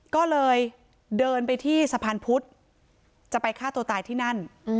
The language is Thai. ก็เลยเดินไปที่สะพานพุธจะไปฆ่าตัวตายที่นั่น